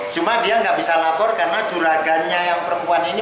cuma dia nggak bisa lapor karena juragannya yang perempuan ini